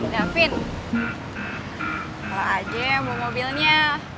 da vin kelar aja mau mobilnya